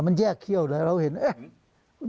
มันแยกเคี้ยวเลย